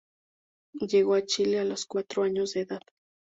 Llegó a Chile a los cuatro años de edad.